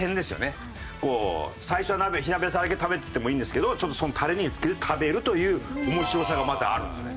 最初は鍋火鍋だけ食べててもいいんですけどちょっとそのタレにつけて食べるという面白さがまたあるんですね。